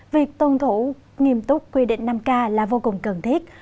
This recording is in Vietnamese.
việc tuân thủ nghiêm túc quy định năm k là vô cùng cần thiết